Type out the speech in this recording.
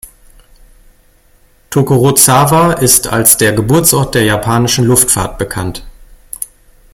Tokorozawa ist als der „Geburtsort der japanischen Luftfahrt“ bekannt.